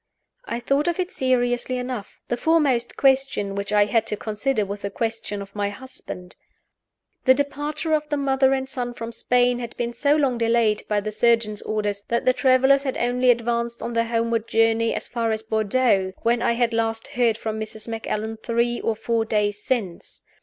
I thought of it seriously enough. The foremost question which I had to consider was the question of my husband. The departure of the mother and son from Spain had been so long delayed, by the surgeon's orders, that the travelers had only advanced on their homeward journey as far as Bordeaux, when I had last heard from Mrs. Macallan three or four days since.